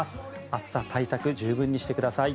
暑さ対策、十分にしてください。